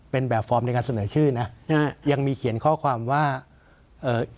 เป็นแบบฟอร์มในการเสนอชื่อนะยังมีเขียนข้อความว่าเอ่อ